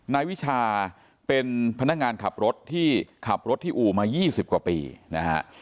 นายวิชาเป็นพนักงานขับรถที่ขับรถที่อู่มา๒๐กว่าปีนะฮะ